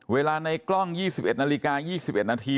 ในกล้อง๒๑นาฬิกา๒๑นาที